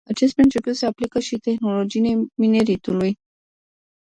Acest principiu se aplică și tehnologiei mineritului.